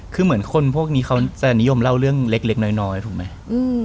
คือเหมือนคนพวกนี้เขาจะนิยมเล่าเรื่องเล็กน้อยถูกไหม